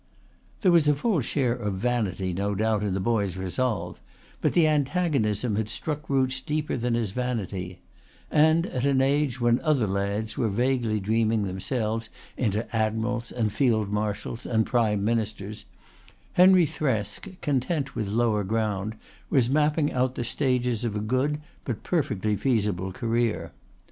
There was a full share of vanity no doubt in the boy's resolve, but the antagonism had struck roots deeper than his vanity; and at an age when other lads were vaguely dreaming themselves into Admirals and Field Marshals and Prime Ministers Henry Thresk, content with lower ground, was mapping out the stages of a good but perfectly feasible career.